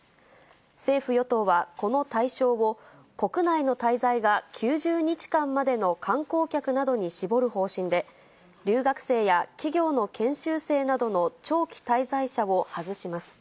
政府・与党はこの対象を、国内の滞在が９０日間までの観光客などに絞る方針で、留学生や企業の研修生などの長期滞在者を外します。